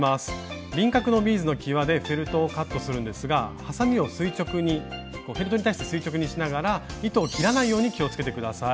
輪郭のビーズのきわでフェルトをカットするんですがはさみをフェルトに対して垂直にしながら糸を切らないように気をつけて下さい。